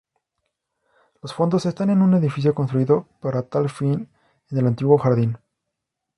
Los fondos están en un edificio construido para tal fin en el antiguo jardín.